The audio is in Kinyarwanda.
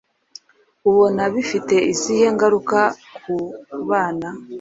ubona bifite izihe ngaruka ku bana?